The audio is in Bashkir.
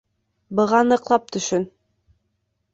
Быға ныҡлап төшөн!